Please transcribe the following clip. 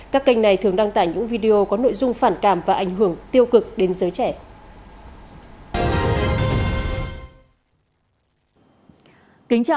các kênh này thường đăng tải những video có nội dung phản cảm và ảnh hưởng tiêu cực đến giới trẻ